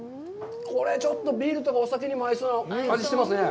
これちょっとビールとかお酒にも合いそうな味してますね。